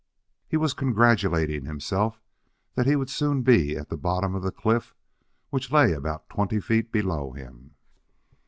He was congratulating himself that he would soon be at the bottom of the cliff, which lay about twenty feet below him.